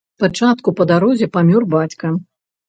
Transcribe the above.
Спачатку па дарозе памёр бацька.